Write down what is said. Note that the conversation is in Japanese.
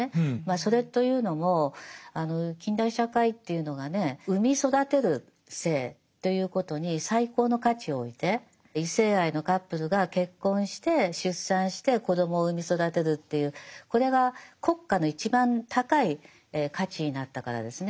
それというのも近代社会っていうのがね産み育てる性ということに最高の価値を置いて異性愛のカップルが結婚して出産して子どもを産み育てるっていうこれが国家の一番高い価値になったからですね。